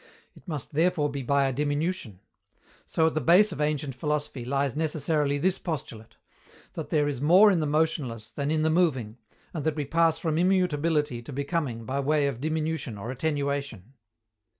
It must therefore be by a diminution. So at the base of ancient philosophy lies necessarily this postulate: that there is more in the motionless than in the moving, and that we pass from immutability to becoming by way of diminution or attenuation.